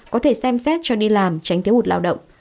có thể xem xét cho đi làm tránh thiếu hụt lao động